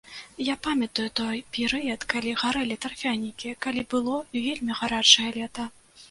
Я памятаю той перыяд, калі гарэлі тарфянікі, калі было вельмі гарачае лета.